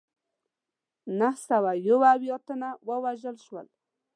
نهه سوه یو اویا تنه ووژل شول.